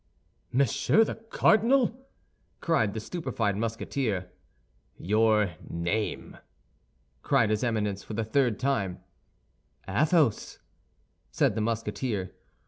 "Monsieur the Cardinal!" cried the stupefied Musketeer. "Your name?" cried his Eminence, for the third time. "Athos," said the Musketeer.